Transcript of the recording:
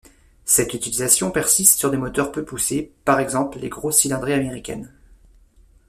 Cette utilisation persiste sur des moteurs peu poussés, par exemple les grosses cylindrées américaines.